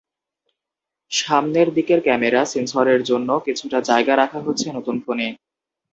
সামনের দিকের ক্যামেরা, সেন্সরের জন্য কিছুটা জায়গা রাখা হচ্ছে নতুন ফোনে।